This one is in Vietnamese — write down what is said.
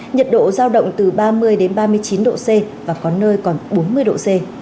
nhiệt độ giao động từ ba mươi ba mươi chín độ c và có nơi còn bốn mươi độ c